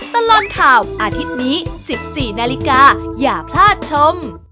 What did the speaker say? ตลอดข่าวอาทิตย์นี้๑๔นาฬิกาอย่าพลาดชม